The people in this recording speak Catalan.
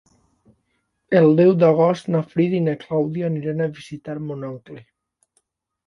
El deu d'agost na Frida i na Clàudia aniran a visitar mon oncle.